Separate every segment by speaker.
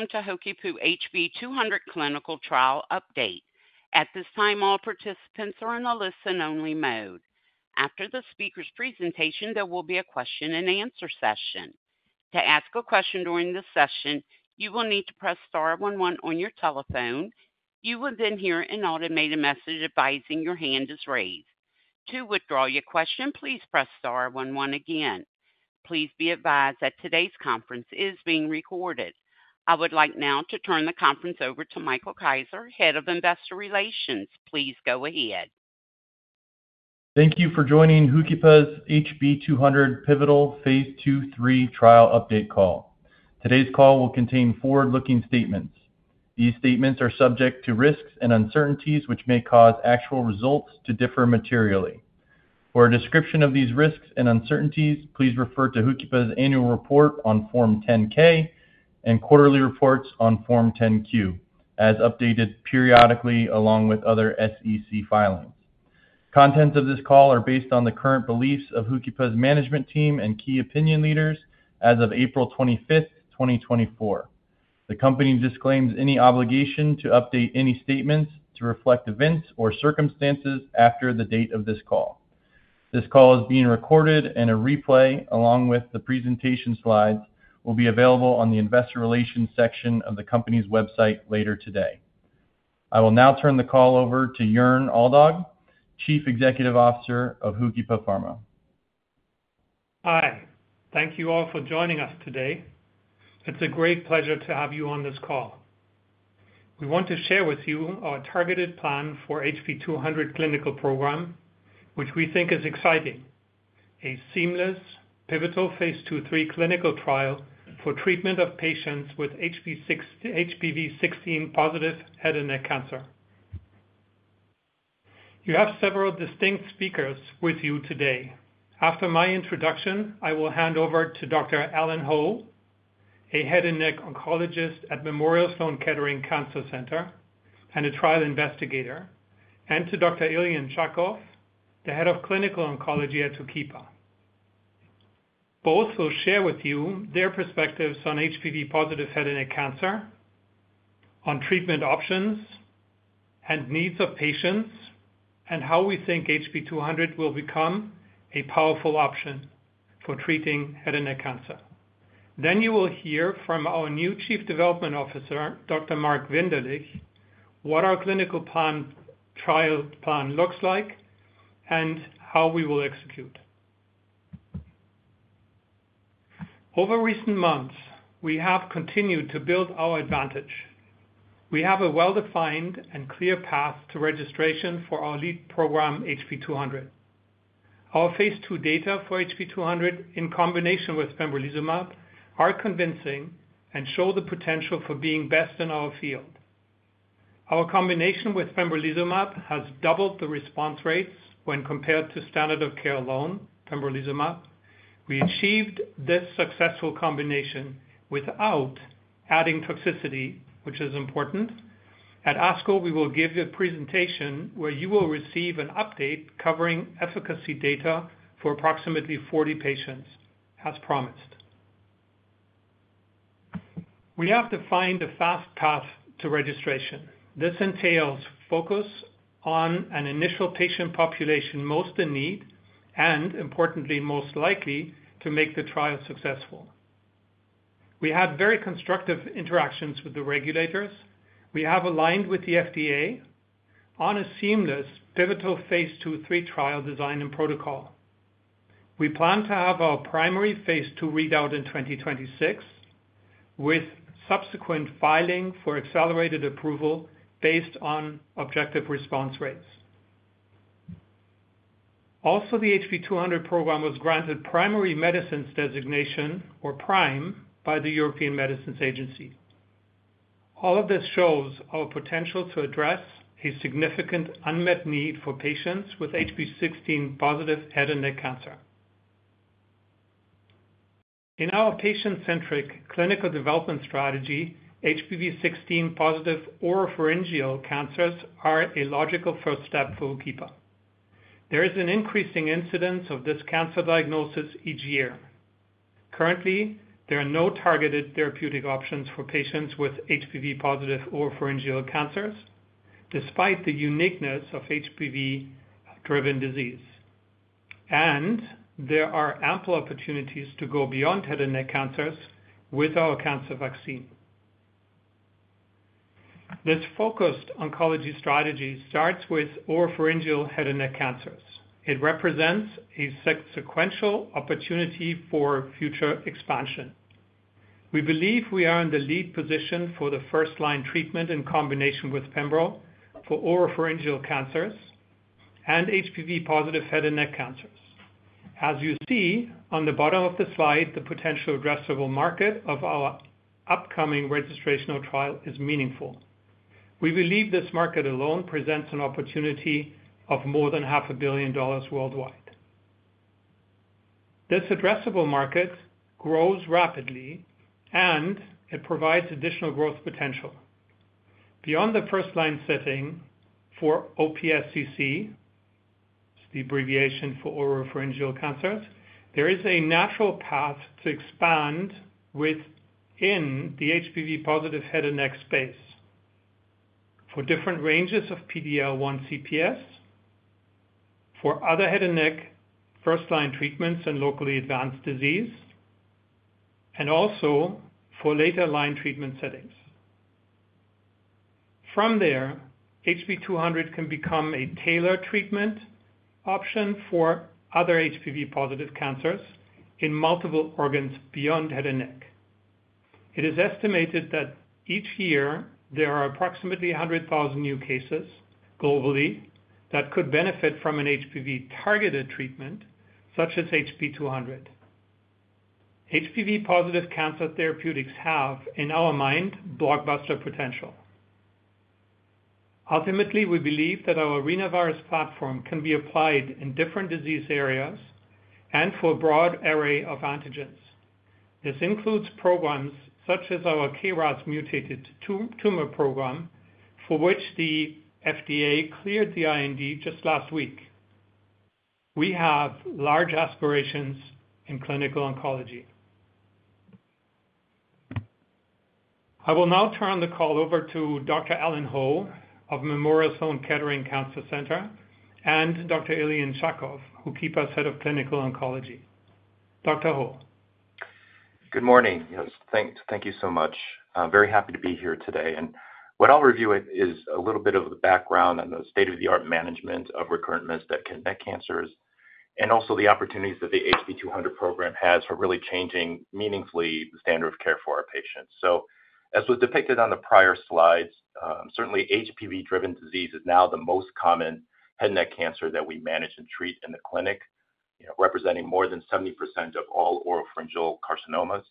Speaker 1: Welcome to HOOKIPA HB-200 Clinical Trial Update. At this time, all participants are in a listen-only mode. After the speaker's presentation, there will be a question-and-answer session. To ask a question during the session, you will need to press star one one on your telephone. You will then hear an automated message advising your hand is raised. To withdraw your question, please press star one one again. Please be advised that today's conference is being recorded. I would like now to turn the conference over to Michael Kaiser, Head of Investor Relations. Please go ahead.
Speaker 2: Thank you for joining HOOKIPA's HB-200 pivotal phase II/II trial update call. Today's call will contain forward-looking statements. These statements are subject to risks and uncertainties which may cause actual results to differ materially. For a description of these risks and uncertainties, please refer to HOOKIPA's annual report on Form 10-K and quarterly reports on Form 10-Q, as updated periodically along with other SEC filings. Contents of this call are based on the current beliefs of HOOKIPA's management team and key opinion leaders as of April 25th, 2024. The company disclaims any obligation to update any statements to reflect events or circumstances after the date of this call. This call is being recorded, and a replay along with the presentation slides will be available on the Investor Relations section of the company's website later today. I will now turn the call over to Joern Aldag, Chief Executive Officer of HOOKIPA Pharma.
Speaker 3: Hi. Thank you all for joining us today. It's a great pleasure to have you on this call. We want to share with you our targeted plan for HB-200 clinical program, which we think is exciting: a seamless, pivotal phase II/III clinical trial for treatment of patients with HPV-16-positive head and neck cancer. You have several distinct speakers with you today. After my introduction, I will hand over to Dr. Alan Ho, a head and neck oncologist at Memorial Sloan Kettering Cancer Center and a trial investigator, and to Dr. Ilian Tchakov, the Head of Clinical Oncology at HOOKIPA. Both will share with you their perspectives on HPV-positive head and neck cancer, on treatment options and needs of patients, and how we think HB-200 will become a powerful option for treating head and neck cancer. Then you will hear from our new Chief Development Officer, Dr. Mark Winderlich, what our clinical trial plan looks like and how we will execute. Over recent months, we have continued to build our advantage. We have a well-defined and clear path to registration for our lead program, HB-200. Our phase II data for HB-200, in combination with pembrolizumab, are convincing and show the potential for being best in our field. Our combination with pembrolizumab has doubled the response rates when compared to standard of care alone, pembrolizumab. We achieved this successful combination without adding toxicity, which is important. At ASCO, we will give you a presentation where you will receive an update covering efficacy data for approximately 40 patients, as promised. We have defined a fast path to registration. This entails focus on an initial patient population most in need and, importantly, most likely to make the trial successful. We had very constructive interactions with the regulators. We have aligned with the FDA on a seamless, pivotal phase II/III trial design and protocol. We plan to have our primary phase II readout in 2026, with subsequent filing for accelerated approval based on objective response rates. Also, the HB-200 program was granted Priority Medicines Designation, or PRIME, by the European Medicines Agency. All of this shows our potential to address a significant unmet need for patients with HPV-16 positive head and neck cancer. In our patient-centric clinical development strategy, HPV-16 positive oropharyngeal cancers are a logical first step for HOOKIPA. There is an increasing incidence of this cancer diagnosis each year. Currently, there are no targeted therapeutic options for patients with HPV-positive oropharyngeal cancers, despite the uniqueness of HPV-driven disease. And there are ample opportunities to go beyond head and neck cancers with our cancer vaccine. This focused oncology strategy starts with oropharyngeal head and neck cancers. It represents a sequential opportunity for future expansion. We believe we are in the lead position for the first-line treatment in combination with pembrolizumab for oropharyngeal cancers and HPV-positive head and neck cancers. As you see on the bottom of the slide, the potential addressable market of our upcoming registration or trial is meaningful. We believe this market alone presents an opportunity of more than $500 million worldwide. This addressable market grows rapidly, and it provides additional growth potential. Beyond the first-line setting for OPSCC, it's the abbreviation for oropharyngeal cancers, there is a natural path to expand within the HPV-positive head and neck space for different ranges of PD-L1 CPS, for other head and neck first-line treatments and locally advanced disease, and also for later-line treatment settings. From there, HB-200 can become a tailored treatment option for other HPV-positive cancers in multiple organs beyond head and neck. It is estimated that each year there are approximately 100,000 new cases globally that could benefit from an HPV-targeted treatment such as HB-200. HPV-positive cancer therapeutics have, in our mind, blockbuster potential. Ultimately, we believe that our RNA virus platform can be applied in different disease areas and for a broad array of antigens. This includes programs such as our KRAS mutated tumor program, for which the FDA cleared the IND just last week. We have large aspirations in clinical oncology. I will now turn the call over to Dr. Alan Ho of Memorial Sloan Kettering Cancer Center and Dr. Ilian Tchakov, HOOKIPA's Head of Clinical Oncology. Dr. Ho.
Speaker 4: Good morning. Yes, thank you so much. I'm very happy to be here today. What I'll review is a little bit of the background and the state-of-the-art management of recurrent metastatic head and neck cancers, and also the opportunities that the HB-200 program has for really changing meaningfully the standard of care for our patients. As was depicted on the prior slides, certainly HPV-driven disease is now the most common head and neck cancer that we manage and treat in the clinic, representing more than 70% of all oropharyngeal carcinomas.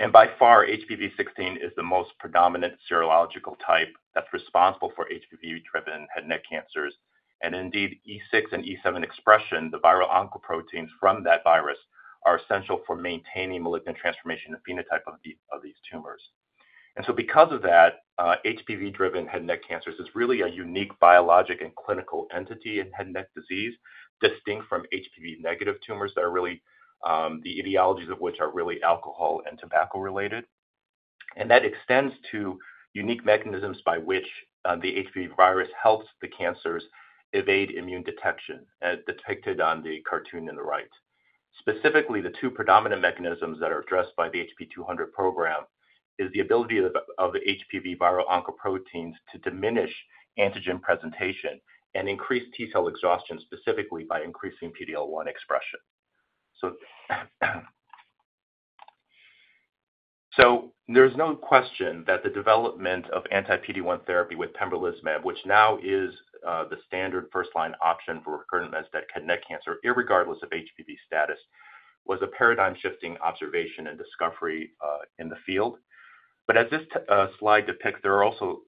Speaker 4: And by far, HPV-16 is the most predominant serological type that's responsible for HPV-driven head and neck cancers. And indeed, E6 and E7 expression, the viral oncoproteins from that virus, are essential for maintaining malignant transformation and phenotype of these tumors. And so, because of that, HPV-driven head and neck cancers is really a unique biologic and clinical entity in head and neck disease, distinct from HPV-negative tumors that are really the etiologies of which are really alcohol and tobacco-related. And that extends to unique mechanisms by which the HPV virus helps the cancers evade immune detection, as depicted on the cartoon on the right. Specifically, the two predominant mechanisms that are addressed by the HB-200 program are the ability of the HPV viral oncoproteins to diminish antigen presentation and increase T-cell exhaustion, specifically by increasing PD-L1 expression. So, there's no question that the development of anti-PD-1 therapy with pembrolizumab, which now is the standard first-line option for recurrent metastatic head and neck cancer, irregardless of HPV status, was a paradigm-shifting observation and discovery in the field. But as this slide depicts, there are also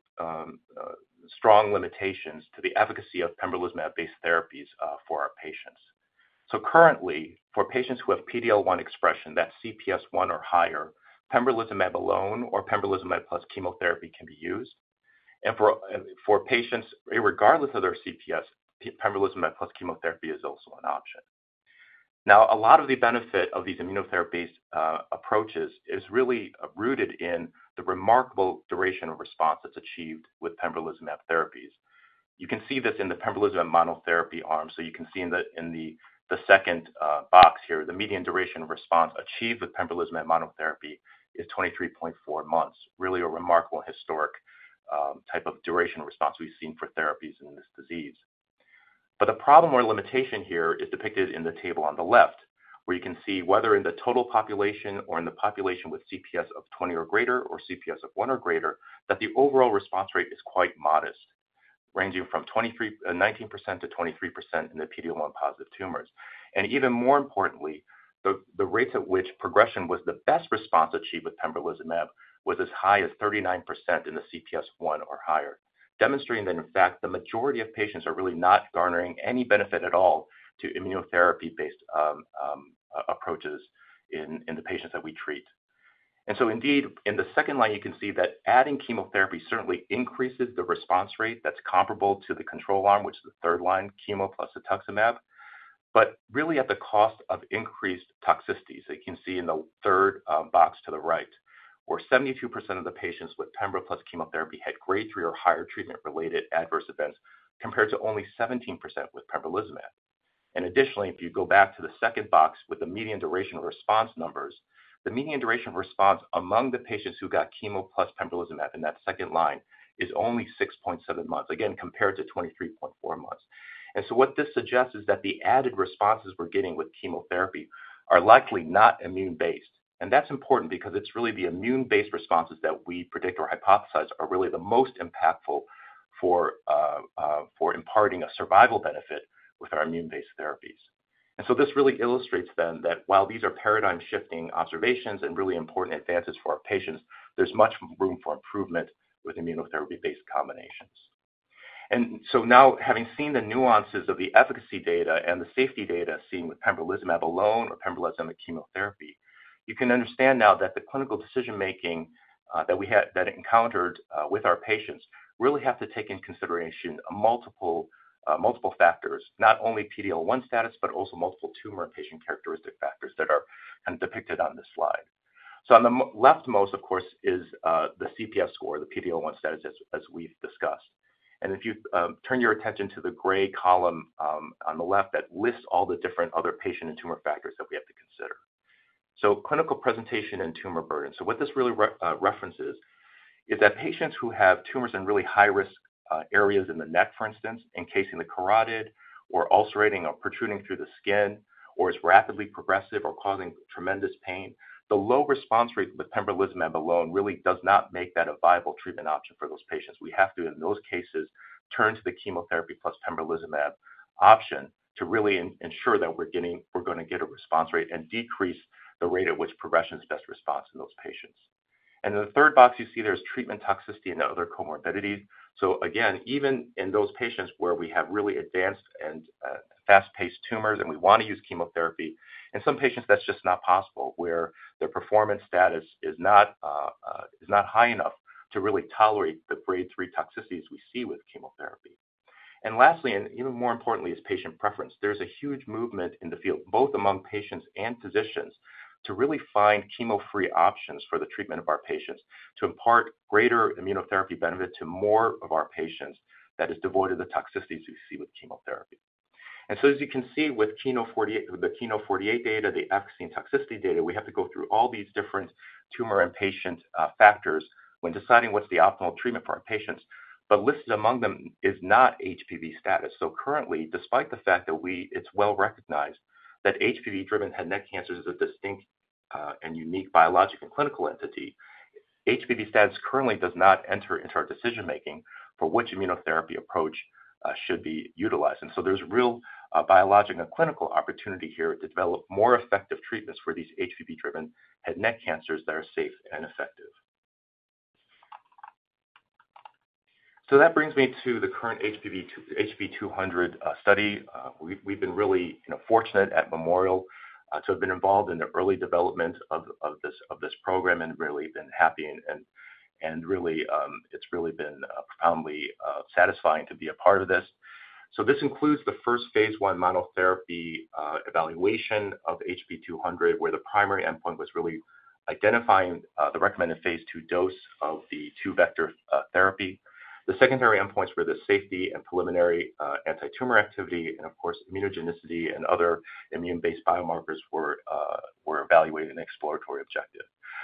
Speaker 4: strong limitations to the efficacy of pembrolizumab-based therapies for our patients. So, currently, for patients who have PD-L1 expression that's CPS 1 or higher, pembrolizumab alone or pembrolizumab plus chemotherapy can be used. And for patients, irregardless of their CPS, pembrolizumab plus chemotherapy is also an option. Now, a lot of the benefit of these immunotherapy-based approaches is really rooted in the remarkable duration of response that's achieved with pembrolizumab therapies. You can see this in the pembrolizumab monotherapy arm. So, you can see in the second box here, the median duration of response achieved with pembrolizumab monotherapy is 23.4 months, really a remarkable historic type of duration of response we've seen for therapies in this disease. But the problem or limitation here is depicted in the table on the left, where you can see whether in the total population or in the population with CPS of 20 or greater or CPS of 1 or greater, that the overall response rate is quite modest, ranging from 19%-23% in the PD-L1 positive tumors. And even more importantly, the rates at which progression was the best response achieved with pembrolizumab was as high as 39% in the CPS 1 or higher, demonstrating that, in fact, the majority of patients are really not garnering any benefit at all to immunotherapy-based approaches in the patients that we treat. And so, indeed, in the second line, you can see that adding chemotherapy certainly increases the response rate that's comparable to the control arm, which is the third line, chemo plus rituximab, but really at the cost of increased toxicities, as you can see in the third box to the right, where 72% of the patients with pembrolizumab plus chemotherapy had grade three or higher treatment-related adverse events compared to only 17% with pembrolizumab. And additionally, if you go back to the second box with the median duration of response numbers, the median duration of response among the patients who got chemo plus pembrolizumab in that second line is only 6.7 months, again, compared to 23.4 months. And so, what this suggests is that the added responses we're getting with chemotherapy are likely not immune-based. That's important because it's really the immune-based responses that we predict or hypothesize are really the most impactful for imparting a survival benefit with our immune-based therapies. This really illustrates then that while these are paradigm-shifting observations and really important advances for our patients, there's much room for improvement with immunotherapy-based combinations. Now having seen the nuances of the efficacy data and the safety data seen with pembrolizumab alone or pembrolizumab chemotherapy, you can understand now that the clinical decision-making that we had that it encountered with our patients really has to take into consideration multiple factors, not only PD-L1 status, but also multiple tumor and patient characteristic factors that are kind of depicted on this slide. On the leftmost, of course, is the CPS score, the PD-L1 status, as we've discussed. If you turn your attention to the gray column on the left that lists all the different other patient and tumor factors that we have to consider. So, clinical presentation and tumor burden. So, what this really references is that patients who have tumors in really high-risk areas in the neck, for instance, encasing the carotid or ulcerating or protruding through the skin or is rapidly progressive or causing tremendous pain, the low response rate with pembrolizumab alone really does not make that a viable treatment option for those patients. We have to, in those cases, turn to the chemotherapy plus pembrolizumab option to really ensure that we're going to get a response rate and decrease the rate at which progression is best response in those patients. In the third box, you see there's treatment toxicity and other comorbidities. So, again, even in those patients where we have really advanced and fast-paced tumors and we want to use chemotherapy, in some patients, that's just not possible, where their performance status is not high enough to really tolerate the grade three toxicities we see with chemotherapy. And lastly, and even more importantly, is patient preference. There's a huge movement in the field, both among patients and physicians, to really find chemo-free options for the treatment of our patients, to impart greater immunotherapy benefit to more of our patients that is devoid of the toxicities we see with chemotherapy. And so, as you can see with KEYNOTE-048 data, the efficacy and toxicity data, we have to go through all these different tumor and patient factors when deciding what's the optimal treatment for our patients. But listed among them is not HPV status. So, currently, despite the fact that it's well recognized that HPV-driven head and neck cancers is a distinct and unique biologic and clinical entity, HPV status currently does not enter into our decision-making for which immunotherapy approach should be utilized. And so, there's real biologic and clinical opportunity here to develop more effective treatments for these HPV-driven head and neck cancers that are safe and effective. So, that brings me to the current HB-200 study. We've been really fortunate at Memorial to have been involved in the early development of this program and really been happy. And really, it's really been profoundly satisfying to be a part of this. So, this includes the first phase I monotherapy evaluation of HB-200, where the primary endpoint was really identifying the recommended phase II dose of the 2-vector therapy. The secondary endpoints were the safety and preliminary anti-tumor activity and, of course, immunogenicity and other immune-based biomarkers were evaluated in the exploratory objective.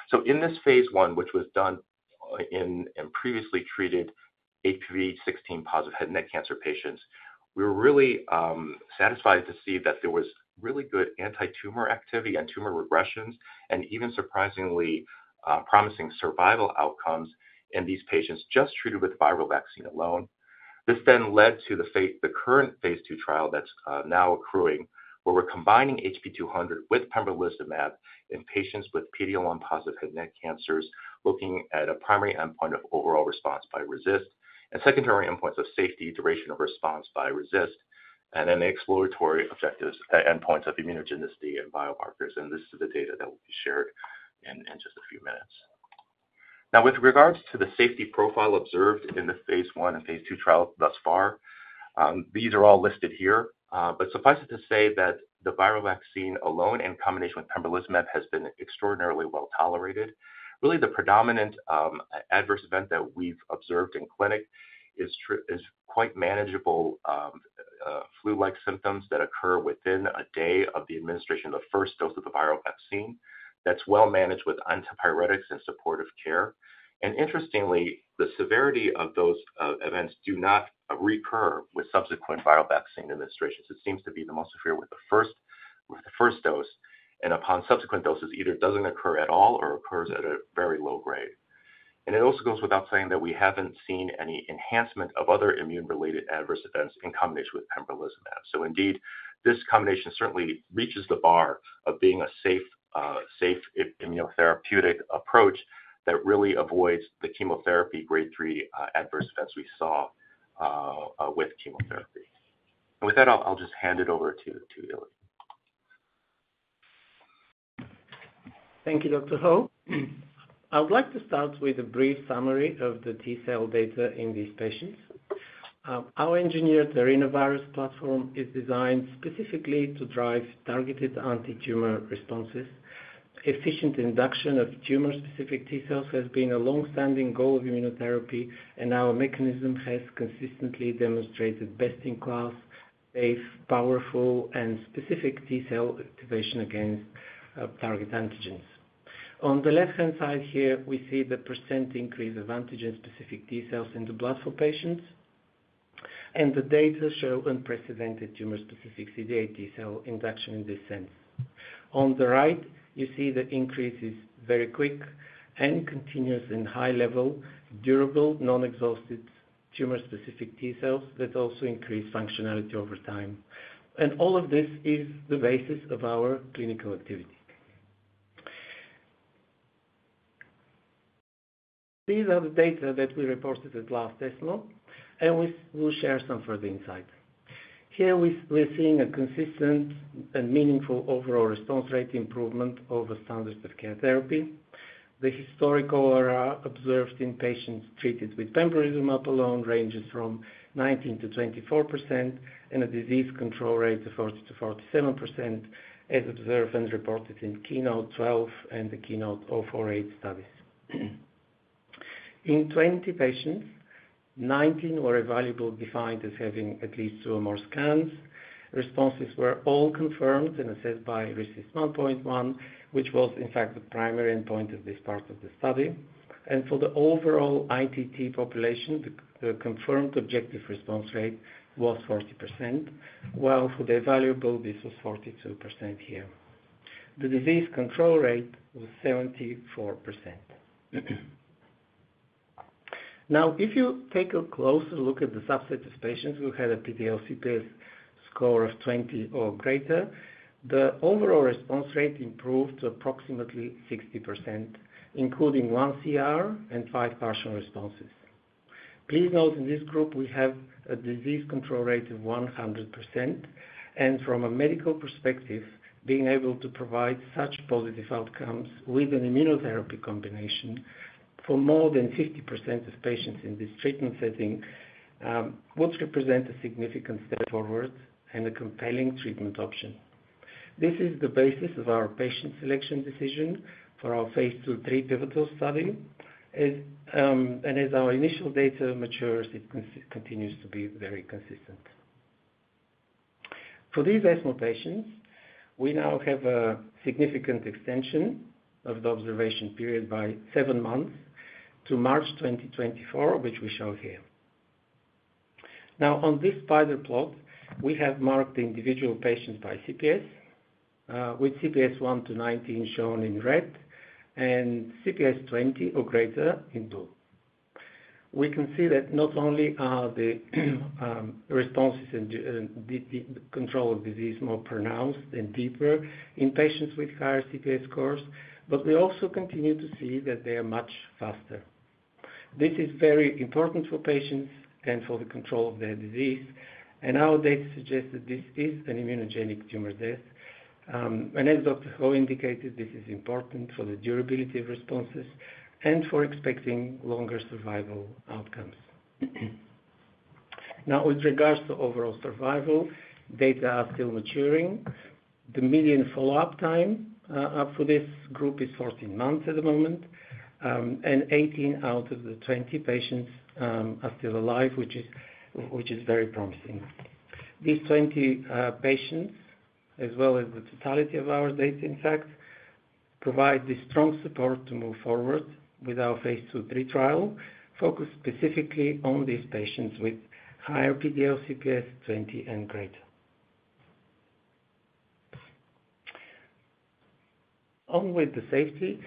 Speaker 4: So, in this phase I, which was done in previously treated HPV-16 positive head and neck cancer patients, we were really satisfied to see that there was really good anti-tumor activity and tumor regressions and even surprisingly promising survival outcomes in these patients just treated with the viral vaccine alone. This then led to the current phase II trial that's now accruing, where we're combining HB-200 with pembrolizumab in patients with PD-L1 positive head and neck cancers, looking at a primary endpoint of overall response by RECIST and secondary endpoints of safety, duration of response by RECIST, and then the exploratory objectives endpoints of immunogenicity and biomarkers. And this is the data that will be shared in just a few minutes. Now, with regards to the safety profile observed in the phase I and phase II trial thus far, these are all listed here. Suffice it to say that the viral vaccine alone in combination with pembrolizumab has been extraordinarily well tolerated. Really, the predominant adverse event that we've observed in clinic is quite manageable flu-like symptoms that occur within a day of the administration of the first dose of the viral vaccine that's well managed with antipyretics and supportive care. Interestingly, the severity of those events do not recur with subsequent viral vaccine administrations. It seems to be the most severe with the first dose. Upon subsequent doses, either it doesn't occur at all or occurs at a very low grade. It also goes without saying that we haven't seen any enhancement of other immune-related adverse events in combination with pembrolizumab. So, indeed, this combination certainly reaches the bar of being a safe immunotherapeutic approach that really avoids the chemotherapy grade three adverse events we saw with chemotherapy. With that, I'll just hand it over to Ilian.
Speaker 5: Thank you, Dr. Ho. I would like to start with a brief summary of the T cell data in these patients. Our engineered RNA virus platform is designed specifically to drive targeted anti-tumor responses. Efficient induction of tumor-specific T cells has been a longstanding goal of immunotherapy, and our mechanism has consistently demonstrated best-in-class, safe, powerful, and specific T cell activation against target antigens. On the left-hand side here, we see the percent increase of antigen-specific T cells in the blood for patients. The data show unprecedented tumor-specific CD8+ T cell induction in this sense. On the right, you see the increase is very quick and continuous in high-level, durable, non-exhausted tumor-specific T cells that also increase functionality over time. All of this is the basis of our clinical activity. These are the data that we reported at last ASCO. We will share some further insight. Here, we're seeing a consistent and meaningful overall response rate improvement over standards of care therapy. The historical RR observed in patients treated with pembrolizumab alone ranges from 19%-24% and a disease control rate of 40%-47%, as observed and reported in KEYNOTE-12 and the KEYNOTE-048 studies. In 20 patients, 19 were evaluable, defined as having at least two or more scans. Responses were all confirmed and assessed by RECIST 1.1, which was, in fact, the primary endpoint of this part of the study. And for the overall ITT population, the confirmed objective response rate was 40%, while for the evaluable, this was 42% here. The disease control rate was 74%. Now, if you take a closer look at the subset of patients who had a PD-L1 CPS score of 20 or greater, the overall response rate improved to approximately 60%, including one CR and five partial responses. Please note, in this group, we have a disease control rate of 100%. And from a medical perspective, being able to provide such positive outcomes with an immunotherapy combination for more than 50% of patients in this treatment setting would represent a significant step forward and a compelling treatment option. This is the basis of our patient selection decision for phase II/III pivotal study. And as our initial data matures, it continues to be very consistent. For these ESMO patients, we now have a significant extension of the observation period by seven months to March 2024, which we show here. Now, on this spider plot, we have marked the individual patients by CPS, with CPS 1-19 shown in red and CPS 20 or greater in blue. We can see that not only are the responses and control of disease more pronounced and deeper in patients with higher CPS scores, but we also continue to see that they are much faster. This is very important for patients and for the control of their disease. And our data suggests that this is an immunogenic tumor death. And as Dr. Ho indicated, this is important for the durability of responses and for expecting longer survival outcomes. Now, with regards to overall survival, data are still maturing. The median follow-up time for this group is 14 months at the moment. And 18 out of the 20 patients are still alive, which is very promising. These 20 patients, as well as the totality of our data, in fact, provide the strong support to move forward with phase II/III trial, focused specifically on these patients with higher PD-L1 CPS ≥20. On with the safety.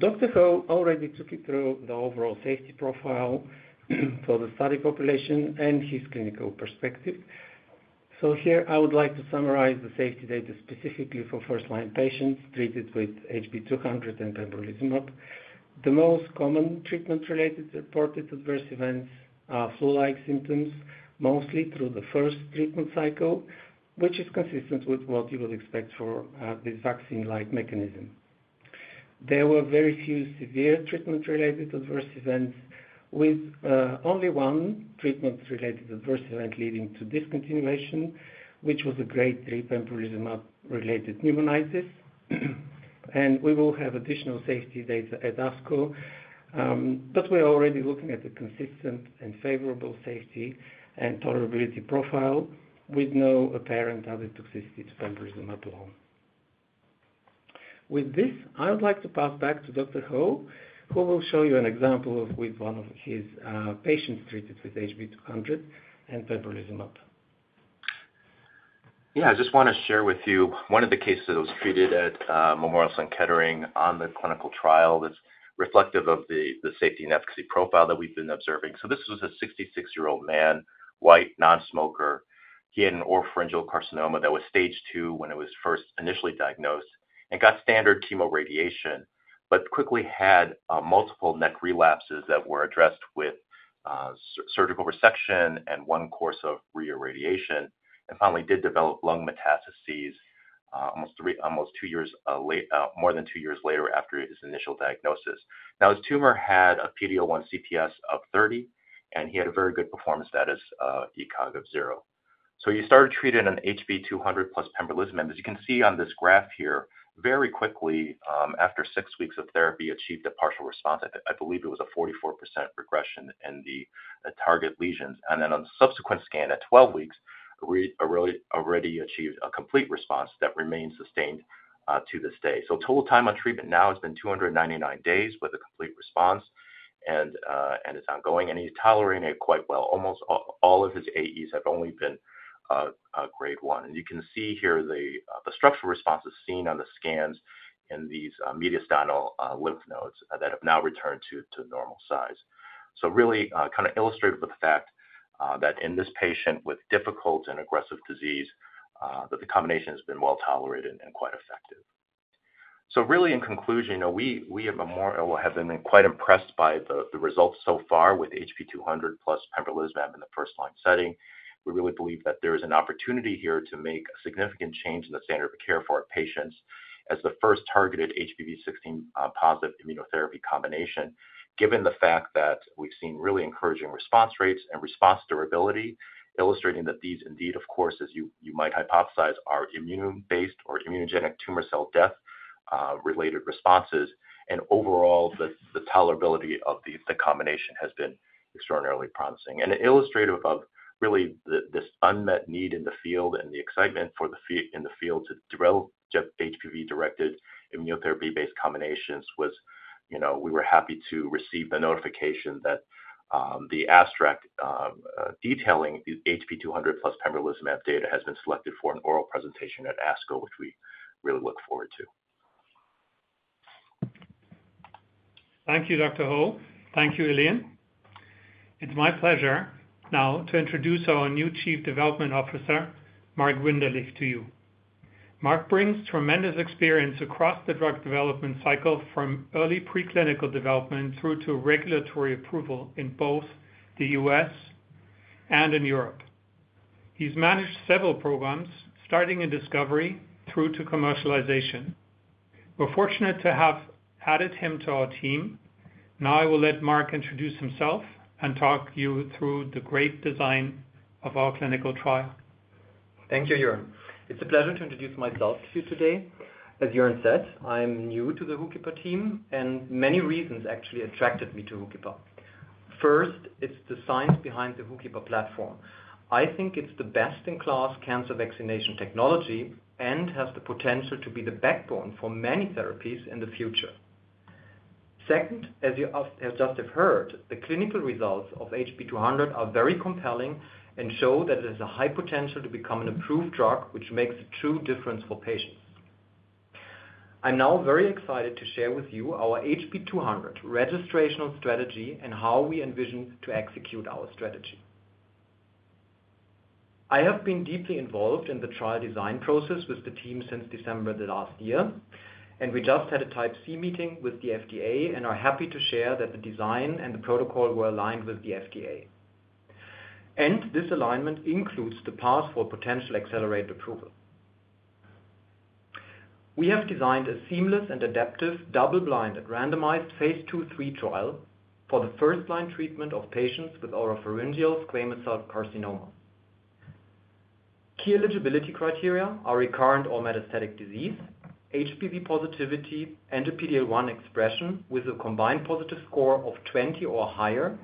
Speaker 5: Dr. Ho already took you through the overall safety profile for the study population and his clinical perspective. So here, I would like to summarize the safety data specifically for first-line patients treated with HB-200 and pembrolizumab. The most common treatment-related reported adverse events are flu-like symptoms, mostly through the first treatment cycle, which is consistent with what you would expect for this vaccine-like mechanism. There were very few severe treatment-related adverse events, with only one treatment-related adverse event leading to discontinuation, which was a grade three pembrolizumab-related pneumonitis. And we will have additional safety data at ASCO. But we're already looking at a consistent and favorable safety and tolerability profile with no apparent other toxicity to pembrolizumab alone. With this, I would like to pass back to Dr. Ho, who will show you an example with one of his patients treated with HB-200 and pembrolizumab.
Speaker 4: Yeah. I just want to share with you one of the cases that was treated at Memorial Sloan Kettering on the clinical trial that's reflective of the safety and efficacy profile that we've been observing. So this was a 66-year-old man, white, nonsmoker. He had an oropharyngeal carcinoma that was stage two when it was first initially diagnosed and got standard chemoradiation but quickly had multiple neck relapses that were addressed with surgical resection and one course of reirradiation and finally did develop lung metastases almost two years more than two years later after his initial diagnosis. Now, his tumor had a PD-L1 CPS of 30, and he had a very good performance status, ECOG of 0. So he started treated on HB-200 plus pembrolizumab. As you can see on this graph here, very quickly after six weeks of therapy, he achieved a partial response. I believe it was a 44% regression in the target lesions. Then on the subsequent scan at 12 weeks, he already achieved a complete response that remains sustained to this day. So total time on treatment now has been 299 days with a complete response, and it's ongoing. And he's tolerating it quite well. Almost all of his AEs have only been grade one. And you can see here the structural responses seen on the scans in these mediastinal lymph nodes that have now returned to normal size. So really kind of illustrated with the fact that in this patient with difficult and aggressive disease, that the combination has been well tolerated and quite effective. So really, in conclusion, we at Memorial have been quite impressed by the results so far with HB-200 plus pembrolizumab in the first-line setting. We really believe that there is an opportunity here to make a significant change in the standard of care for our patients as the first targeted HPV-16 positive immunotherapy combination, given the fact that we've seen really encouraging response rates and response durability, illustrating that these indeed, of course, as you might hypothesize, are immune-based or immunogenic tumor cell death-related responses. Overall, the tolerability of the combination has been extraordinarily promising. It illustrated above really this unmet need in the field and the excitement in the field to develop HPV-directed immunotherapy-based combinations was we were happy to receive the notification that the abstract detailing the HB-200 plus pembrolizumab data has been selected for an oral presentation at ASCO, which we really look forward to.
Speaker 3: Thank you, Dr. Ho. Thank you, Ilian. It's my pleasure now to introduce our new Chief Development Officer, Mark Winderlich, to you. Mark brings tremendous experience across the drug development cycle from early preclinical development through to regulatory approval in both the U.S. and in Europe. He's managed several programs, starting in discovery through to commercialization. We're fortunate to have added him to our team. Now I will let Mark introduce himself and talk you through the great design of our clinical trial.
Speaker 6: Thank you, Joern. It's a pleasure to introduce myself to you today. As Joern said, I'm new to the HOOKIPA team, and many reasons actually attracted me to HOOKIPA. First, it's the science behind the HOOKIPA platform. I think it's the best-in-class cancer vaccination technology and has the potential to be the backbone for many therapies in the future. Second, as you just have heard, the clinical results of HB200 are very compelling and show that it has a high potential to become an approved drug, which makes a true difference for patients. I'm now very excited to share with you our HB200 registration strategy and how we envision to execute our strategy. I have been deeply involved in the trial design process with the team since December of last year. We just had a Type C meeting with the FDA and are happy to share that the design and the protocol were aligned with the FDA. This alignment includes the path for potential accelerated approval. We have designed a seamless and adaptive double-blinded phase II/III trial for the first-line treatment of patients with oropharyngeal squamous cell carcinoma. Key eligibility criteria are recurrent or metastatic disease, HPV positivity, and a PD-L1 expression with a combined positive score of 20 or higher,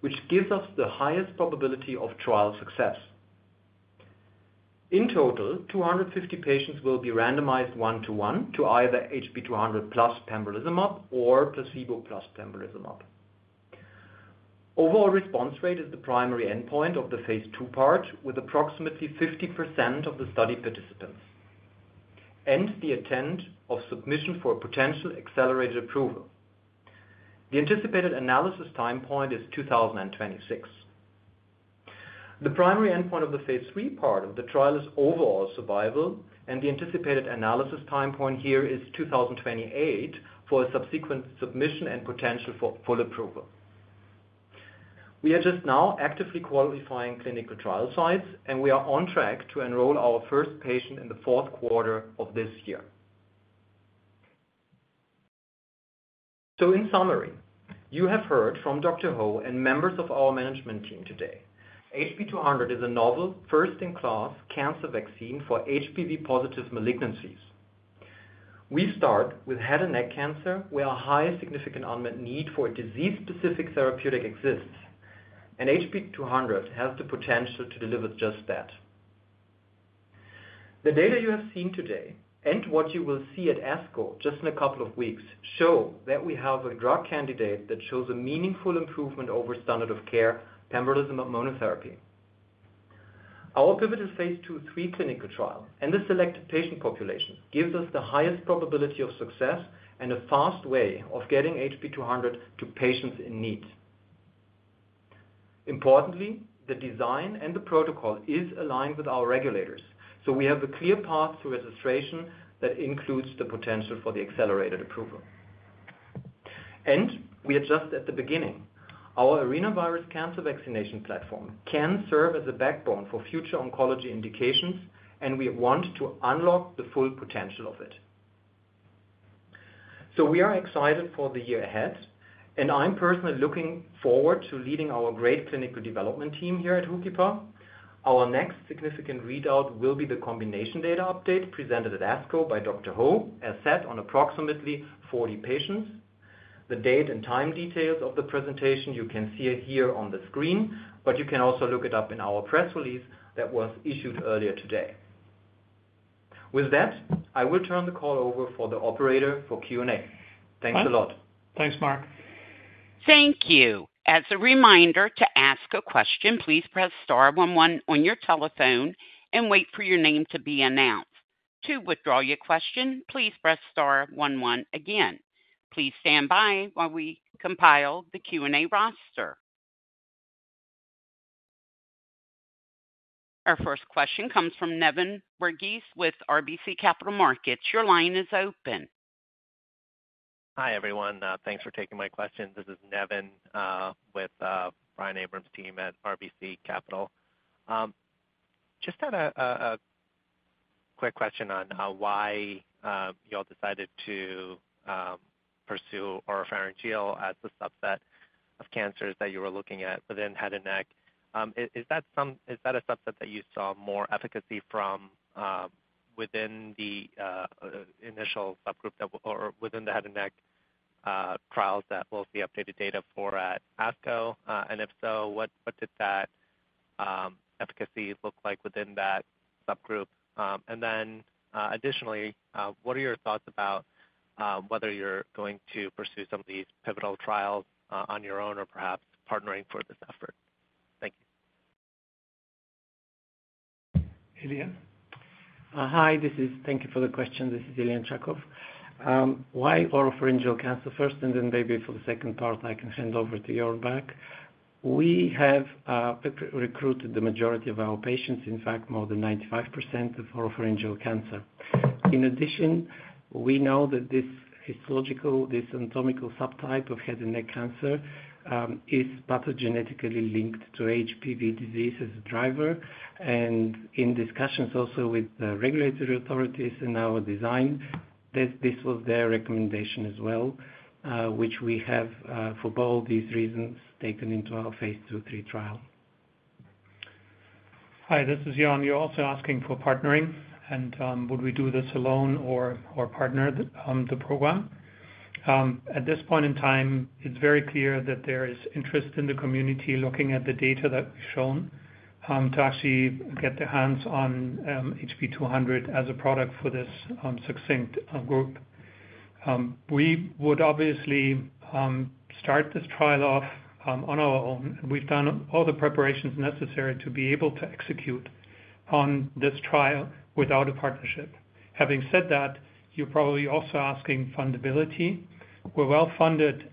Speaker 6: which gives us the highest probability of trial success. In total, 250 patients will be randomized 1:1 to either HB-200 plus pembrolizumab or placebo plus pembrolizumab. Overall response rate is the primary endpoint of the phase II part with approximately 50% of the study participants and the attempt of submission for potential accelerated approval. The anticipated analysis time point is 2026. The primary endpoint of the phase III part of the trial is overall survival, and the anticipated analysis time point here is 2028 for a subsequent submission and potential for full approval. We are just now actively qualifying clinical trial sites, and we are on track to enroll our first patient in the fourth quarter of this year. So in summary, you have heard from Dr. Ho and members of our management team today. HB-200 is a novel, first-in-class cancer vaccine for HPV positive malignancies. We start with head and neck cancer, where a high significant unmet need for a disease-specific therapeutic exists. HB-200 has the potential to deliver just that. The data you have seen today and what you will see at ASCO just in a couple of weeks show that we have a drug candidate that shows a meaningful improvement over standard of care pembrolizumab monotherapy. Our phase II/III clinical trial and the selected patient population gives us the highest probability of success and a fast way of getting HB-200 to patients in need. Importantly, the design and the protocol is aligned with our regulators, so we have a clear path through registration that includes the potential for the accelerated approval. We are just at the beginning. Our arenavirus cancer vaccination platform can serve as a backbone for future oncology indications, and we want to unlock the full potential of it. We are excited for the year ahead. I'm personally looking forward to leading our great clinical development team here at HOOKIPA. Our next significant readout will be the combination data update presented at ASCO by Dr. Ho, as said, on approximately 40 patients. The date and time details of the presentation, you can see it here on the screen, but you can also look it up in our press release that was issued earlier today. With that, I will turn the call over to the operator for Q&A. Thanks a lot.
Speaker 3: Thanks, Mark.
Speaker 1: Thank you. As a reminder to ask a question, please press star one one on your telephone and wait for your name to be announced. To withdraw your question, please press star one one again. Please stand by while we compile the Q&A roster. Our first question comes from Nevin Wergies with RBC Capital Markets. Your line is open.
Speaker 7: Hi, everyone. Thanks for taking my question. This is Nevin with Brian Abrahams team at RBC Capital. Just had a quick question on why you all decided to pursue oropharyngeal as a subset of cancers that you were looking at within head and neck. Is that a subset that you saw more efficacy from within the initial subgroup or within the head and neck trials that we'll see updated data for at ASCO? And if so, what did that efficacy look like within that subgroup? And then additionally, what are your thoughts about whether you're going to pursue some of these pivotal trials on your own or perhaps partnering for this effort? Thank you.
Speaker 3: Ilian?
Speaker 5: Hi. Thank you for the question. This is Ilian Tchakov. Why oropharyngeal cancer first, and then maybe for the second part, I can hand over to Joern Aldag. We have recruited the majority of our patients, in fact, more than 95% of oropharyngeal cancer. In addition, we know that this histological, this anatomical subtype of head and neck cancer is pathogenetically linked to HPV disease as a driver. And in discussions also with the regulatory authorities and our design, this was their recommendation as well, which we have, for both these reasons, taken into phase II/III trial.
Speaker 3: Hi. This is Joern. You're also asking for partnering. And would we do this alone or partner the program? At this point in time, it's very clear that there is interest in the community looking at the data that we've shown to actually get their hands on HB-200 as a product for this specific group. We would obviously start this trial off on our own. And we've done all the preparations necessary to be able to execute on this trial without a partnership. Having said that, you're probably also asking fundability. We're well funded,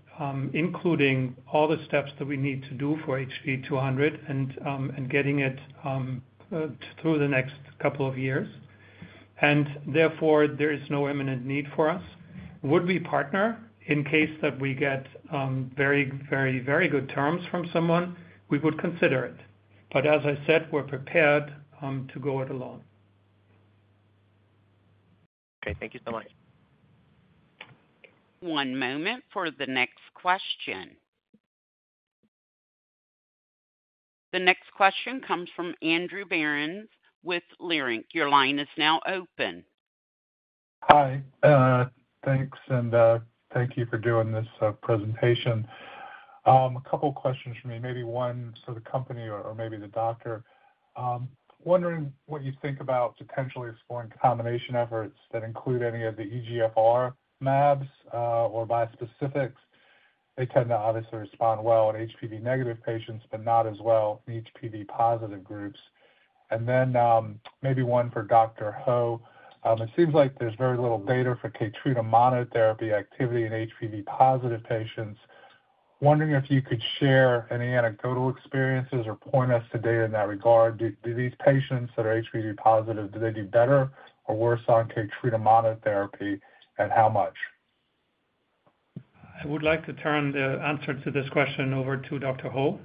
Speaker 3: including all the steps that we need to do for HB-200 and getting it through the next couple of years. And therefore, there is no imminent need for us. Would we partner? In case that we get very, very, very good terms from someone, we would consider it. But as I said, we're prepared to go it alone.
Speaker 7: Okay. Thank you so much.
Speaker 1: One moment for the next question. The next question comes from Andrew Berens with Leerink. Your line is now open.
Speaker 8: Hi. Thanks. And thank you for doing this presentation. A couple of questions for me, maybe one for the company or maybe the doctor. Wondering what you think about potentially exploring combination efforts that include any of the EGFR MABs or bispecifics. They tend to obviously respond well in HPV-negative patients but not as well in HPV-positive groups. And then maybe one for Dr. Ho. It seems like there's very little data for KEYTRUDA monotherapy activity in HPV-positive patients. Wondering if you could share any anecdotal experiences or point us to data in that regard. Do these patients that are HPV-positive, do they do better or worse on KEYTRUDA monotherapy, and how much?
Speaker 3: I would like to turn the answer to this question over to Dr. Ho.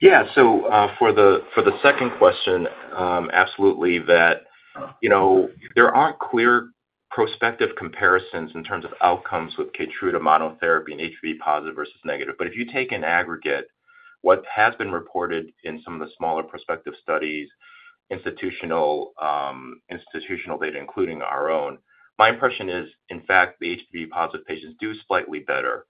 Speaker 4: Yeah. So for the second question, absolutely that there aren't clear prospective comparisons in terms of outcomes with KEYTRUDA monotherapy in HPV-positive versus negative. But if you take an aggregate, what has been reported in some of the smaller prospective studies, institutional data, including our own, my impression is, in fact, the HPV-positive patients do slightly better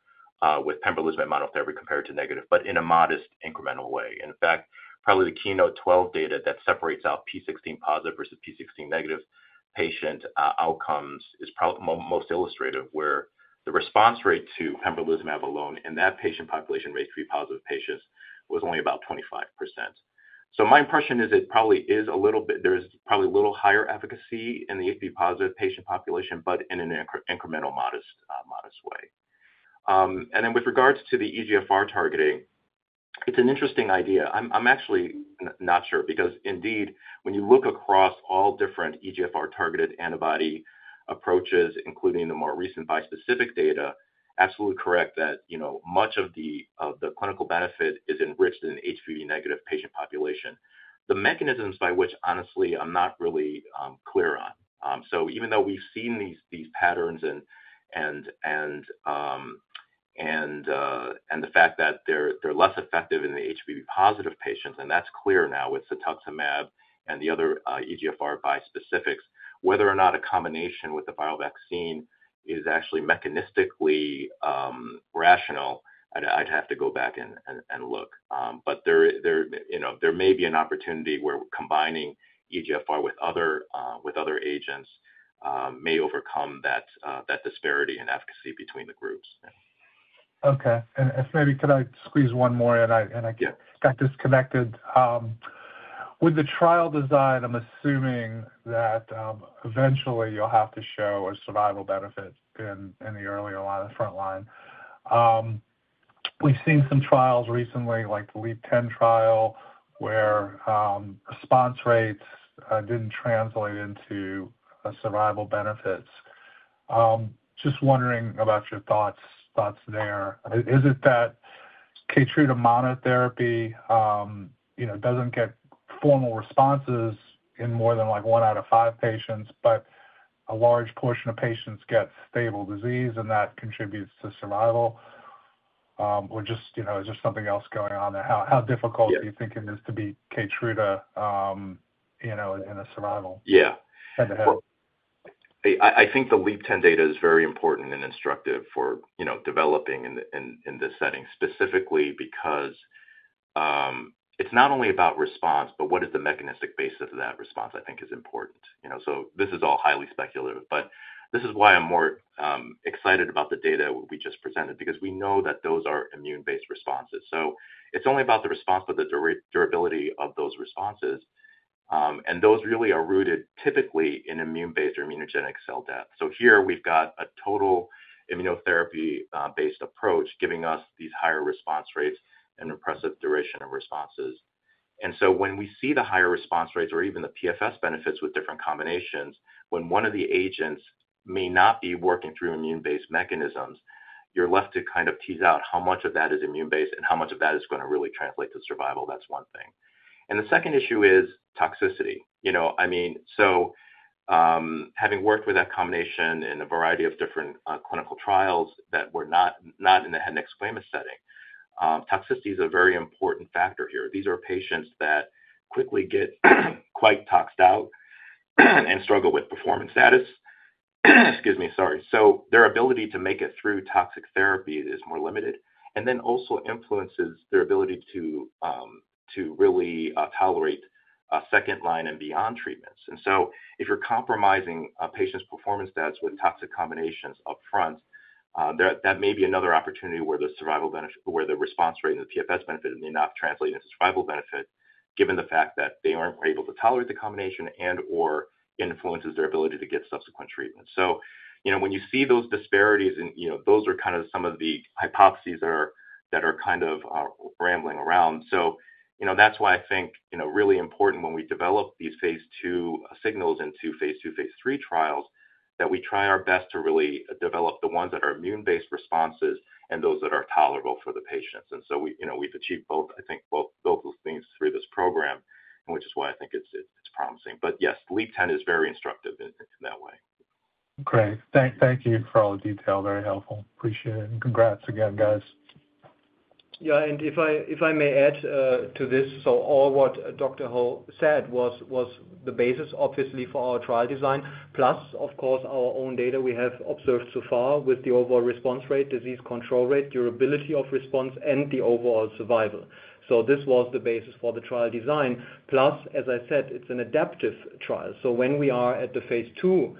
Speaker 4: with pembrolizumab monotherapy compared to negative, but in a modest incremental way. And in fact, probably the KEYNOTE-12 data that separates out p16-positive versus p16-negative patient outcomes is probably most illustrative, where the response rate to pembrolizumab alone in that patient population, HPV-positive patients, was only about 25%. So my impression is it probably is a little bit there is probably a little higher efficacy in the HPV-positive patient population, but in an incremental, modest way. And then with regards to the EGFR targeting, it's an interesting idea. I'm actually not sure because indeed, when you look across all different EGFR-targeted antibody approaches, including the more recent bispecific data, absolutely correct that much of the clinical benefit is enriched in HPV-negative patient population. The mechanisms by which, honestly, I'm not really clear on. So even though we've seen these patterns and the fact that they're less effective in the HPV-positive patients, and that's clear now with cetuximab and the other EGFR bispecifics, whether or not a combination with the viral vaccine is actually mechanistically rational, I'd have to go back and look. But there may be an opportunity where combining EGFR with other agents may overcome that disparity in efficacy between the groups.
Speaker 8: Okay. And if maybe, could I squeeze one more? And I got disconnected. With the trial design, I'm assuming that eventually, you'll have to show a survival benefit in the earlier line, the front line. We've seen some trials recently, like the LEAP-010 trial, where response rates didn't translate into survival benefits. Just wondering about your thoughts there. Is it that KEYTRUDA monotherapy doesn't get formal responses in more than one out of five patients, but a large portion of patients get stable disease, and that contributes to survival? Or is there something else going on there? How difficult do you think it is to be KEYTRUDA in a survival head-to-head?
Speaker 4: Yeah. I think the LEAP-010 data is very important and instructive for developing in this setting, specifically because it's not only about response, but what is the mechanistic basis of that response, I think, is important. So this is all highly speculative. But this is why I'm more excited about the data we just presented because we know that those are immune-based responses. So it's only about the response, but the durability of those responses. And those really are rooted typically in immune-based or immunogenic cell death. So here, we've got a total immunotherapy-based approach giving us these higher response rates and impressive duration of responses. And so when we see the higher response rates or even the PFS benefits with different combinations, when one of the agents may not be working through immune-based mechanisms, you're left to kind of tease out how much of that is immune-based and how much of that is going to really translate to survival. That's one thing. And the second issue is toxicity. I mean, so having worked with that combination in a variety of different clinical trials that were not in the head and neck squamous setting, toxicity is a very important factor here. These are patients that quickly get quite toxed out and struggle with performance status. Excuse me. Sorry. So their ability to make it through toxic therapy is more limited and then also influences their ability to really tolerate second-line and beyond treatments. So if you're compromising a patient's performance stats with toxic combinations upfront, that may be another opportunity where the survival benefit where the response rate and the PFS benefit may not translate into survival benefit, given the fact that they aren't able to tolerate the combination and/or influences their ability to get subsequent treatments. So when you see those disparities, those are kind of some of the hypotheses that are kind of rambling around. So that's why I think really important when we develop these phase II signals into phase II, phase III trials, that we try our best to really develop the ones that are immune-based responses and those that are tolerable for the patients. And so we've achieved both, I think, both of those things through this program, which is why I think it's promising. But yes, LEAP10 is very instructive in that way.
Speaker 8: Great. Thank you for all the detail. Very helpful. Appreciate it. And congrats again, guys.
Speaker 5: Yeah. And if I may add to this, so all what Dr. Ho said was the basis, obviously, for our trial design, plus, of course, our own data we have observed so far with the overall response rate, disease control rate, durability of response, and the overall survival. So this was the basis for the trial design. Plus, as I said, it's an adaptive trial. So when we are at the phase II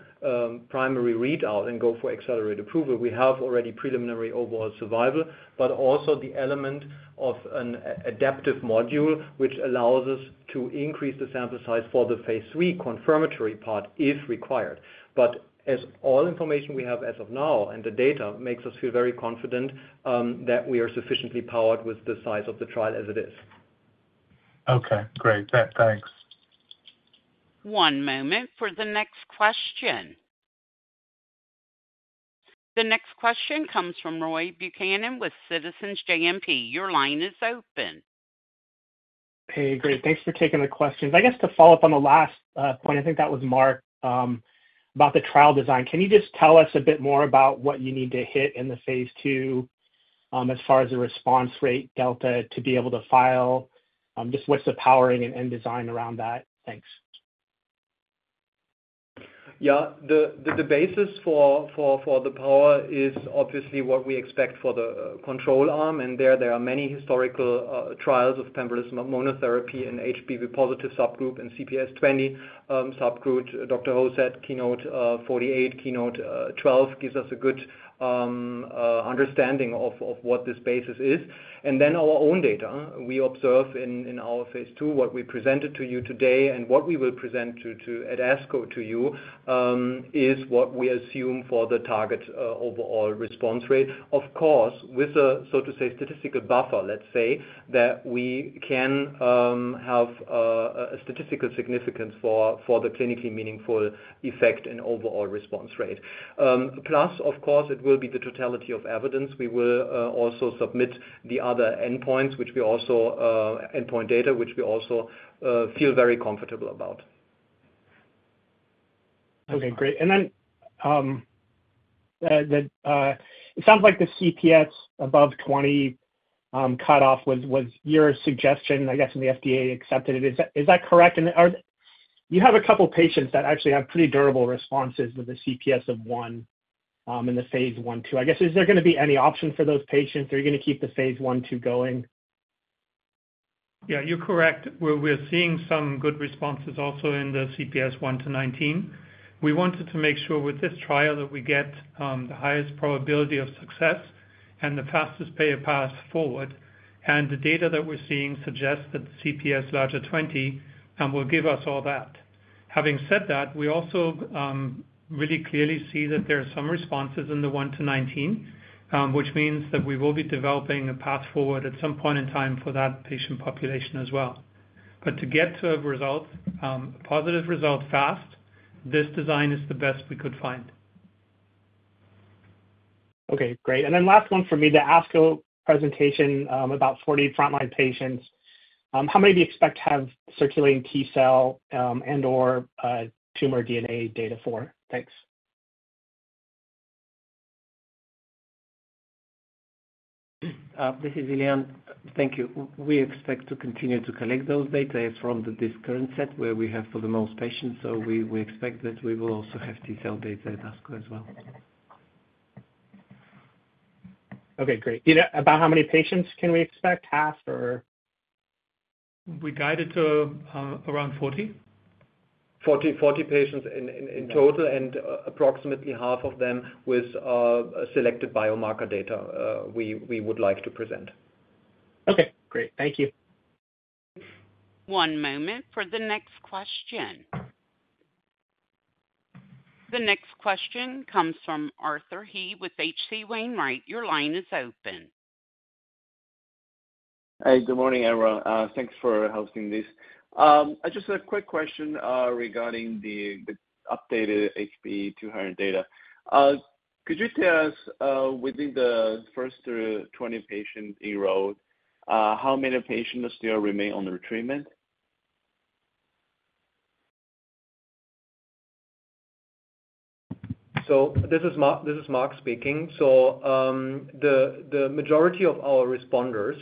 Speaker 5: primary readout and go for accelerated approval, we have already preliminary overall survival, but also the element of an adaptive module, which allows us to increase the sample size for the phase III confirmatory part if required. But as all information we have as of now and the data makes us feel very confident that we are sufficiently powered with the size of the trial as it is.
Speaker 8: Okay. Great. Thanks.
Speaker 1: One moment for the next question. The next question comes from Roy Buchanan with Citizens JMP. Your line is open.
Speaker 9: Hey, great. Thanks for taking the questions. I guess to follow up on the last point, I think that was Mark, about the trial design. Can you just tell us a bit more about what you need to hit in the phase II as far as the response rate delta to be able to file? Just what's the powering and end design around that? Thanks.
Speaker 6: Yeah. The basis for the power is obviously what we expect for the control arm. And there, there are many historical trials of pembrolizumab monotherapy in HPV-positive subgroup and CPS20 subgroup. Dr. Ho said KEYNOTE-048, KEYNOTE-012 gives us a good understanding of what this basis is. And then our own data, we observe in our phase II, what we presented to you today and what we will present at ASCO to you is what we assume for the target overall response rate. Of course, with a, so to say, statistical buffer, let's say, that we can have a statistical significance for the clinically meaningful effect and overall response rate. Plus, of course, it will be the totality of evidence. We will also submit the other endpoints, which we also endpoint data, which we also feel very comfortable about.
Speaker 9: Okay. Great. And then it sounds like the CPS above 20 cutoff was your suggestion, I guess, and the FDA accepted it. Is that correct? And you have a couple of patients that actually have pretty durable responses with a CPS of 1 in the phase I/II. I guess, is there going to be any option for those patients? Are you going to keep the phase I/II going?
Speaker 6: Yeah. You're correct. We're seeing some good responses also in the CPS 1-19. We wanted to make sure with this trial that we get the highest probability of success and the fastest path forward. And the data that we're seeing suggests that the CPS larger 20 will give us all that. Having said that, we also really clearly see that there are some responses in the one to 19, which means that we will be developing a path forward at some point in time for that patient population as well. But to get to a result, a positive result fast, this design is the best we could find.
Speaker 9: Okay. Great. And then last one for me, the ASCO presentation about 40 frontline patients. How many do you expect to have circulating T cell and/or tumor DNA data for? Thanks.
Speaker 5: This is Ilian. Thank you. We expect to continue to collect those data from this current set where we have for the most patients. So we expect that we will also have T cell data at ASCO as well.
Speaker 9: Okay. Great. About how many patients can we expect? Half, or?
Speaker 5: We guided to around 40.
Speaker 6: 40 patients in total, and approximately half of them with selected biomarker data we would like to present.
Speaker 9: Okay. Great. Thank you.
Speaker 1: One moment for the next question. The next question comes from Arthur He with H.C. Wainwright. Your line is open.
Speaker 10: Hey. Good morning, everyone. Thanks for hosting this. Just a quick question regarding the updated HB-200 data. Could you tell us, within the first 20 patients enrolled, how many patients still remain under treatment?
Speaker 6: This is Mark speaking. The majority of our responders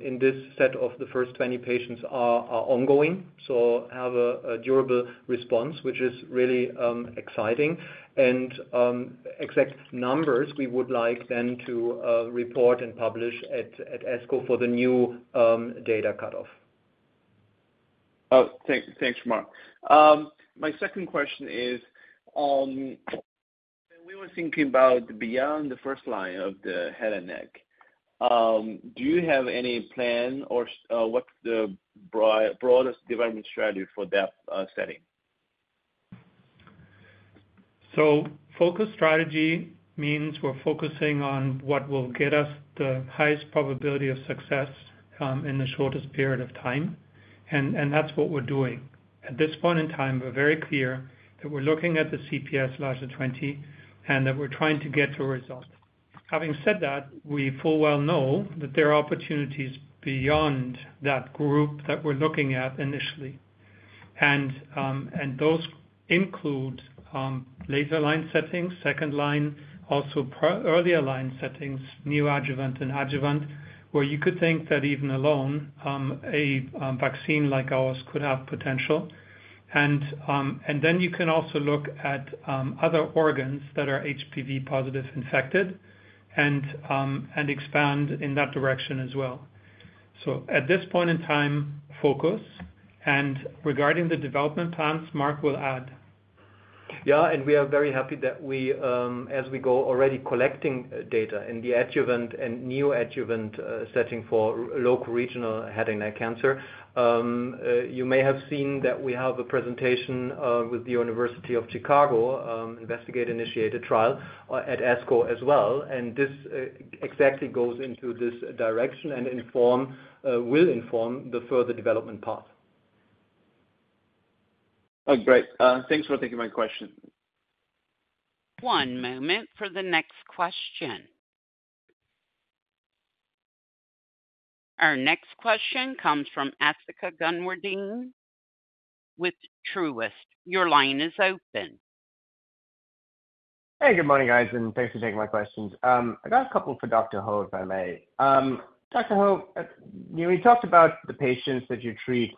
Speaker 6: in this set of the first 20 patients are ongoing, so have a durable response, which is really exciting. Exact numbers, we would like then to report and publish at ASCO for the new data cutoff.
Speaker 10: Thanks, Mark. My second question is, we were thinking about beyond the first line of the head and neck. Do you have any plan, or what's the broadest development strategy for that setting?
Speaker 3: So focus strategy means we're focusing on what will get us the highest probability of success in the shortest period of time. And that's what we're doing. At this point in time, we're very clear that we're looking at the CPS ≥ 20 and that we're trying to get to a result. Having said that, we full well know that there are opportunities beyond that group that we're looking at initially. And those include first-line settings, second-line, also earlier-line settings, neoadjuvant and adjuvant, where you could think that even alone, a vaccine like ours could have potential. And then you can also look at other organs that are HPV-positive infected and expand in that direction as well. So at this point in time, focus. And regarding the development plans, Mark will add.
Speaker 6: Yeah. And we are very happy that we, as we go already collecting data in the adjuvant and neoadjuvant setting for local regional head and neck cancer, you may have seen that we have a presentation with the University of Chicago investigator-initiated trial at ASCO as well. And this exactly goes into this direction and will inform the further development path.
Speaker 10: Great. Thanks for taking my question.
Speaker 1: One moment for the next question. Our next question comes from Asthika Goonewardene with Truist. Your line is open.
Speaker 11: Hey. Good morning, guys. And thanks for taking my questions. I got a couple for Dr. Ho, if I may. Dr. Ho, we talked about the patients that you treat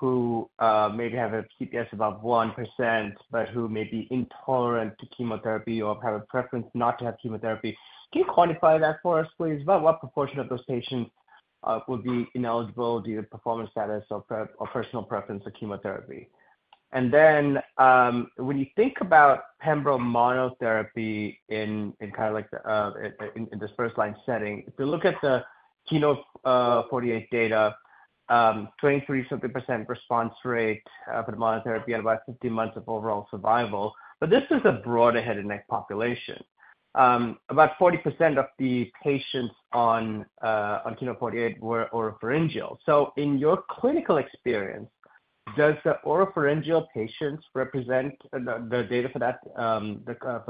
Speaker 11: who maybe have a CPS above 1% but who may be intolerant to chemotherapy or have a preference not to have chemotherapy. Can you quantify that for us, please? About what proportion of those patients would be ineligible due to performance status or personal preference for chemotherapy? And then when you think about Pembro monotherapy in kind of like the in this first-line setting, if you look at the KEYNOTE-048 data, 23-something% response rate for the monotherapy and about 15 months of overall survival. But this is a broader head and neck population. About 40% of the patients on KEYNOTE-048 were oropharyngeal. So in your clinical experience, does the oropharyngeal patients represent the data for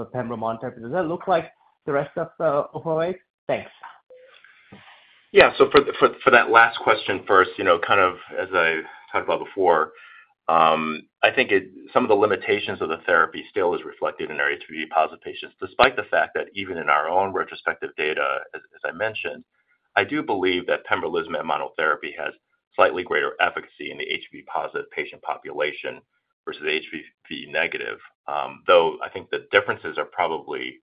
Speaker 11: Pembro monotherapy? Does that look like the rest of the overall rate? Thanks.
Speaker 4: Yeah. So for that last question first, kind of as I talked about before, I think some of the limitations of the therapy still is reflected in our HPV-positive patients, despite the fact that even in our own retrospective data, as I mentioned, I do believe that pembrolizumab monotherapy has slightly greater efficacy in the HPV-positive patient population versus the HPV-negative, though I think the differences are probably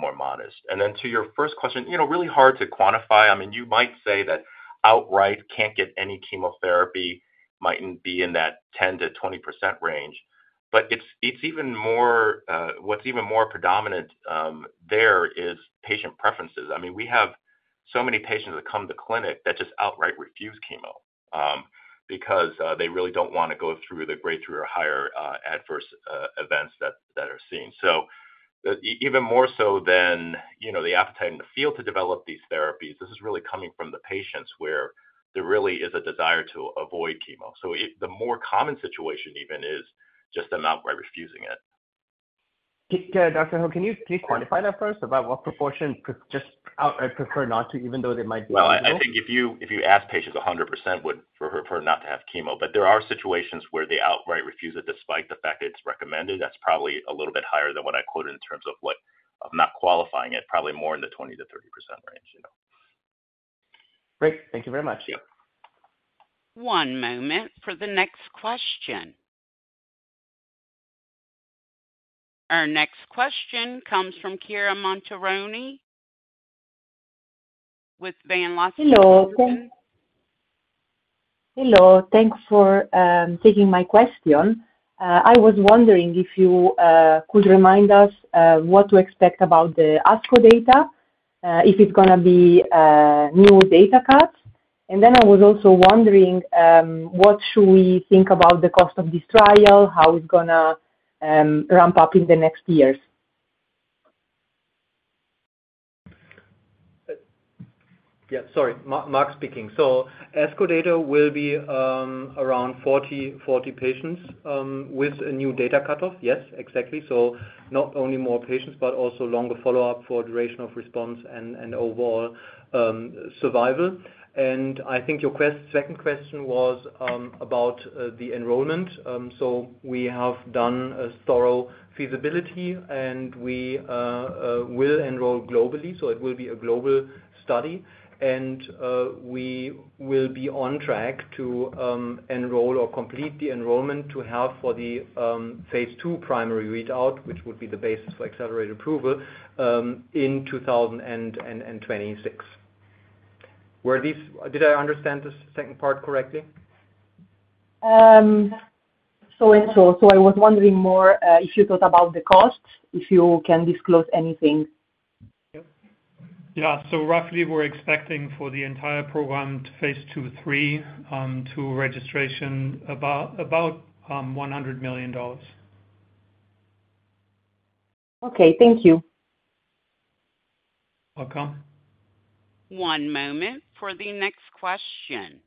Speaker 4: more modest. And then to your first question, really hard to quantify. I mean, you might say that outright can't get any chemotherapy might be in that 10%-20% range. But what's even more predominant there is patient preferences. I mean, we have so many patients that come to clinic that just outright refuse chemo because they really don't want to go through the grade three or higher adverse events that are seen. So even more so than the appetite in the field to develop these therapies, this is really coming from the patients where there really is a desire to avoid chemo. So the more common situation even is just them outright refusing it.
Speaker 11: Dr. Ho, can you please quantify that first about what proportion just outright prefer not to, even though they might be?
Speaker 4: Well, I think if you ask patients 100% would prefer not to have chemo. But there are situations where they outright refuse it despite the fact that it's recommended. That's probably a little bit higher than what I quoted in terms of not qualifying it, probably more in the 20%-30% range.
Speaker 11: Great. Thank you very much.
Speaker 1: One moment for the next question. Our next question comes from Chiara Montironi with Van Lanschot.
Speaker 12: Hello. Hello. Thanks for taking my question. I was wondering if you could remind us what to expect about the ASCO data, if it's going to be new data cuts? And then I was also wondering, what should we think about the cost of this trial? How is it going to ramp up in the next years?
Speaker 6: Yeah. Sorry. Mark speaking. So ASCO data will be around 40 patients with a new data cutoff. Yes, exactly. So not only more patients, but also longer follow-up for duration of response and overall survival. And I think your second question was about the enrollment. So we have done a thorough feasibility, and we will enroll globally. So it will be a global study. And we will be on track to enroll or complete the enrollment to have for the phase II primary readout, which would be the basis for accelerated approval, in 2026. Did I understand this second part correctly?
Speaker 12: In short, I was wondering more if you thought about the cost, if you can disclose anything?
Speaker 6: Yeah. So roughly, we're expecting for the entire program, phase II/III, to registration, about $100 million.
Speaker 12: Okay. Thank you.
Speaker 6: Welcome.
Speaker 1: One moment for the next question.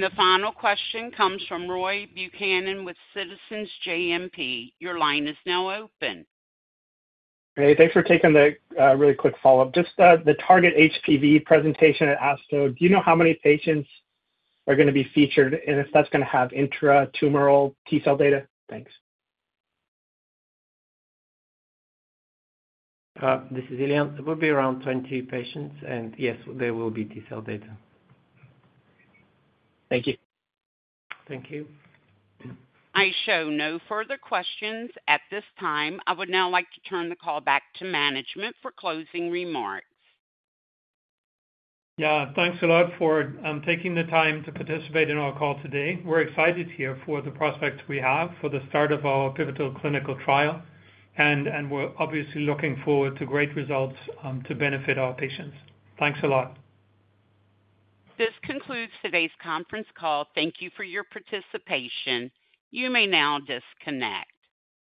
Speaker 1: The final question comes from Roy Buchanan with Citizens JMP. Your line is now open.
Speaker 9: Hey. Thanks for taking that really quick follow-up. Just the targeted HPV presentation at ASCO, do you know how many patients are going to be featured and if that's going to have intratumoral T cell data? Thanks.
Speaker 5: This is Ilian. It will be around 20 patients. Yes, there will be T cell data.
Speaker 9: Thank you.
Speaker 5: Thank you.
Speaker 1: I show no further questions at this time. I would now like to turn the call back to management for closing remarks.
Speaker 3: Yeah. Thanks a lot for taking the time to participate in our call today. We're excited here for the prospects we have for the start of our pivotal clinical trial. We're obviously looking forward to great results to benefit our patients. Thanks a lot.
Speaker 1: This concludes today's conference call. Thank you for your participation. You may now disconnect.